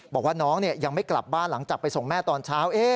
บอกว่าน้องยังไม่กลับบ้านหลังจากไปส่งแม่ตอนเช้า